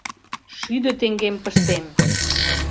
— Шӱдӧ теҥгем пыштем!